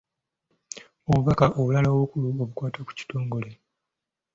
Obubaka obulala obukulu obukwata ku kitongole.